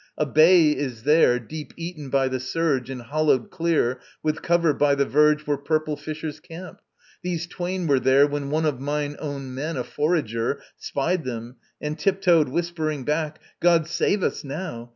A bay is there, deep eaten by the surge And hollowed clear, with cover by the verge Where purple fishers camp. These twain were there When one of mine own men, a forager, Spied them, and tiptoed whispering back: "God save Us now!